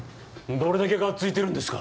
どれだけがっついてるんですか。